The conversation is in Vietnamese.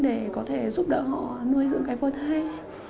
để có thể giúp đỡ họ nuôi dưỡng cái phôi thai